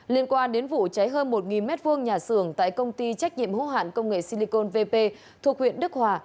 liên quan đến vụ cháy hơn một m hai nhà xưởng tại công ty trách nhiệm hữu hạn công nghệ silicon vp thuộc huyện đức hòa